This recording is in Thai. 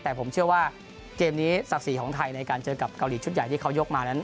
แต่ผมเชื่อว่าเกมนี้ศักดิ์ศรีของไทยในการเจอกับเกาหลีชุดใหญ่ที่เขายกมานั้น